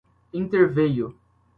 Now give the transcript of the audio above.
interveio